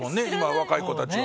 若い子たちは。